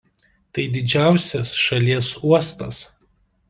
Tai didžiausias šalies uostas.